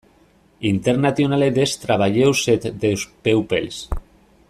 Internationale des travailleurs et des peuples.